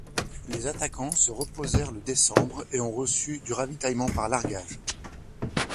Les attaquants se reposèrent le décembre et ont reçu du ravitaillement par largage.